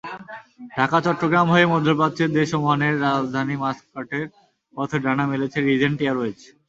ঢাকা–চট্টগ্রাম হয়ে মধ্যপ্রাচ্যের দেশ ওমানের রাজধানী মাসকাটের পথে ডানা মেলেছে রিজেন্ট এয়ারওয়েজ।